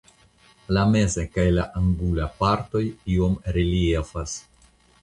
La meza kaj la angula partoj iom reliefas.